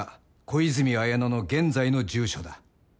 小泉文乃の現在の住所だ」